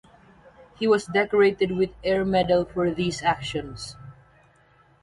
He was decorated with Air Medal for these actions.